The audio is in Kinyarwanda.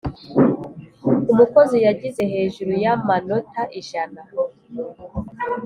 umukozi yagize hejuru y’amanota ijana